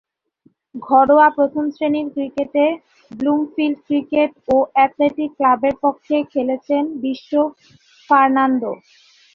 ঘরোয়া প্রথম-শ্রেণীর ক্রিকেটে ব্লুমফিল্ড ক্রিকেট ও অ্যাথলেটিক ক্লাবের পক্ষে খেলছেন বিশ্ব ফার্নান্দো।